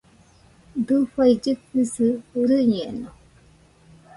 Dafai kɨkɨsi rɨñeno